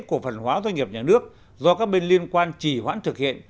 cổ phần hóa doanh nghiệp nhà nước do các bên liên quan chỉ hoãn thực hiện